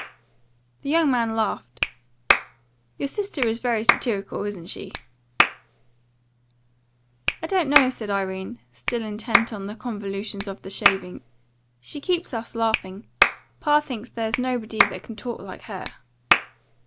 The young man laughed. "Your sister is very satirical, isn't she?" "I don't know," said Irene, still intent upon the convolutions of the shaving. "She keeps us laughing. Papa thinks there's nobody that can talk like her."